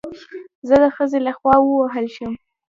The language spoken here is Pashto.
زه د خځې له خوا ووهل شوم